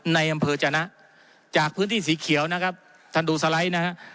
ในอำเภอจนะจากพื้นที่สีเขียวนะครับท่านดูสไลด์นะฮะ